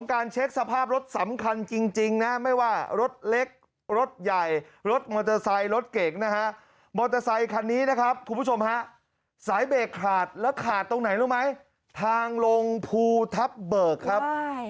การเช็คสภาพรถสำคัญจริงนะไม่ว่ารถเล็กรถใหญ่รถมอเตอร์ไซค์รถเก่งนะฮะมอเตอร์ไซคันนี้นะครับคุณผู้ชมฮะสายเบรกขาดแล้วขาดตรงไหนรู้ไหมทางลงภูทับเบิกครับ